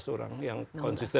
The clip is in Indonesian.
enam belas orang yang konsisten